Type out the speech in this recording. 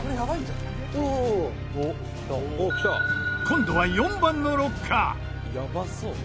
今度は４番のロッカー。